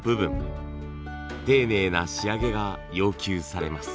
丁寧な仕上げが要求されます。